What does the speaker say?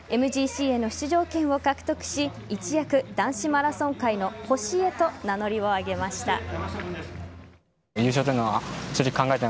ＭＧＣへの出場権を獲得し一躍、男子マラソン界の星へと名乗りを上げました。